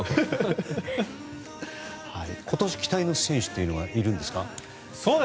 今年、期待の選手はいるんですか？